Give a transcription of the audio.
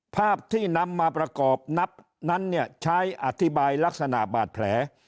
ภาพที่นำมาประกอบนับนั้นเนี่ยใช้อธิบายลักษณะบาดแผล